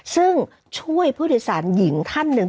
ซึ่งช่วยผู้โดยสารหญิงท่านหนึ่ง